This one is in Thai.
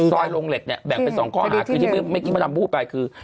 ซอยลงเหล็กเนี่ยแบ่งเป็น๒ข้อหาคือที่ไม่กินมาทำพูดไปคือ